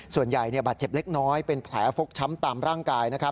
ส่วนใหญ่บาดเจ็บเล็กน้อยเป็นแผลฟกช้ำตามร่างกาย